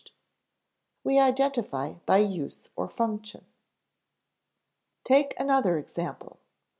[Sidenote: We identify by use or function] Take another example.